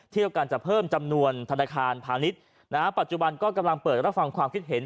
เที่ยวกันจะเพิ่มจำนวนธนาคารพาณิชย์นะฮะปัจจุบันก็กำลังเปิดรับฟังความคิดเห็น